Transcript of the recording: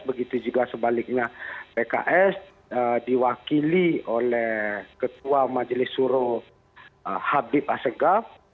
begitu juga sebaliknya pks diwakili oleh ketua majelis suro habib asegaf